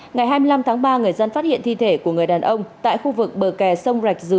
ngày hai mươi năm tháng ba người dân phát hiện thi thể của người đàn ông